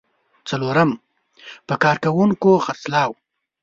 څلورم: په کارکوونکو خرڅلاو.